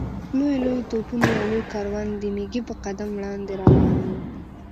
لویو لویو توپونو یو لوی کاروان د مېږي په قدم وړاندې روان و.